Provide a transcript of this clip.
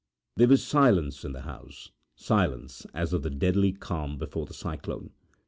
There was silence in the house silence as of the deadly calm before the cyclone.